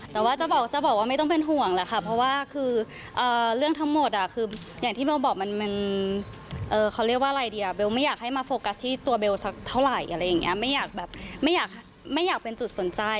ตัวเบลสักเท่าไหร่อะไรอย่างเงี้ยไม่อยากแบบไม่อยากไม่อยากเป็นจุดสนใจ